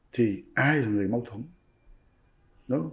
thì ai là người mâu thuẫn